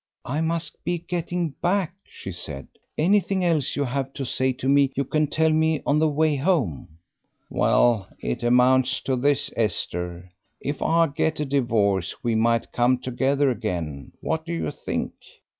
"I must be getting back," she said; "anything else you have to say to me you can tell me on the way home." "Well, it all amounts to this, Esther; if I get a divorce we might come together again. What do you think?"